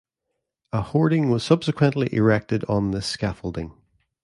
A hoarding was subsequently erected on this scaffolding.